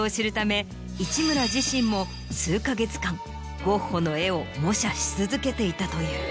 市村自身も数か月間ゴッホの絵を模写し続けていたという。